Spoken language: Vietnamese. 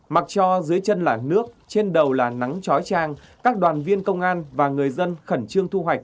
mặc cho dưới chân là nước trên đầu là nắng trói trang các đoàn viên công an và người dân khẩn trương thu hoạch